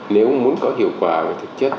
nếu muốn có hiệu quả về thực chất